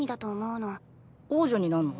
王女になんの？